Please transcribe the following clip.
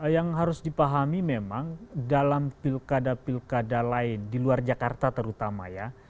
yang harus dipahami memang dalam pilkada pilkada lain di luar jakarta terutama ya